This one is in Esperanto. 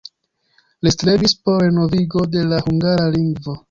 Li strebis por renovigo de la hungara lingvo.